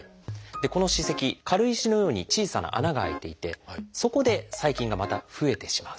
この歯石軽石のように小さな穴が開いていてそこで細菌がまた増えてしまうという。